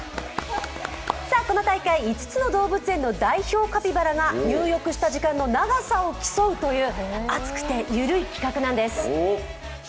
この大会、５つの動物園の代表カピバラが入浴した時間の長さを競うという熱くて緩い企画なんです。